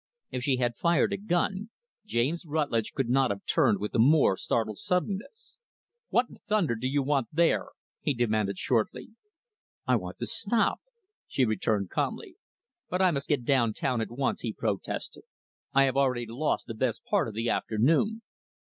If she had fired a gun, James Rutlidge could not have turned with a more startled suddenness. "What in thunder do you want there?" he demanded shortly. "I want to stop," she returned calmly. "But I must get down town, at once," he protested. "I have already lost the best part of the afternoon."